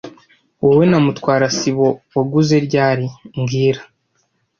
Wowe na Mutwara sibo waguze ryari mbwira